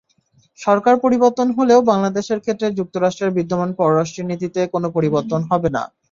সরকার পরিবর্তন হলেও বাংলাদেশের ক্ষেত্রে যুক্তরাষ্ট্রের বিদ্যমান পররাষ্ট্রনীতিতে কোনো পরিবর্তন হবে না।